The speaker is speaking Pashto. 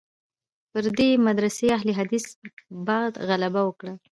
پر دې مدرسې اهل حدیثي بعد غلبه وکړه.